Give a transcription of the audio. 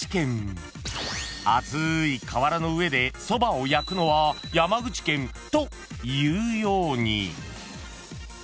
［熱い瓦の上でそばを焼くのは山口県というように］